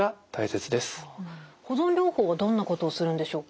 保存療法はどんなことをするんでしょうか？